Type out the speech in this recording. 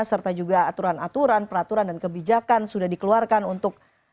serta juga aturan aturan peraturan dan kebijakan sudah dikeluarkan untuk